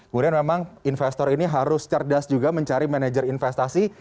kemudian memang investor ini harus cerdas juga mencari manajer investasi